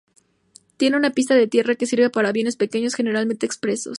Tiene una pista de tierra que sirve para aviones pequeños, generalmente "expresos".